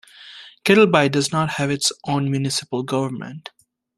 Kettleby does not have its own municipal government.